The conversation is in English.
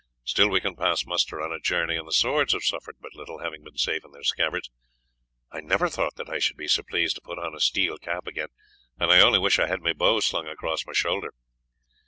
Still, we can pass muster on a journey; and the swords have suffered but little, having been safe in their scabbards. I never thought that I should be so pleased to put on a steel cap again, and I only wish I had my bow slung across my shoulder."